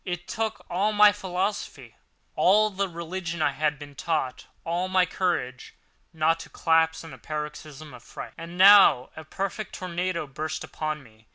It took all my philosophy, all the religion I had been taught, all my courage, not to collapse in a paroxysm of fright. And now a perfect tornado burst upon me.